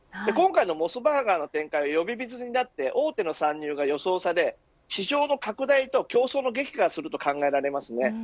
今回のモスバーガーの展開は呼び水になって多くの参入が予想され市場の拡大と競争が激化すると考えられます。